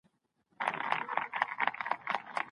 ټولنپوهنه د روښانه راتلونکي زیری ورکوي.